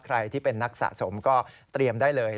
ใครที่เป็นนักสะสมก็เตรียมได้เลย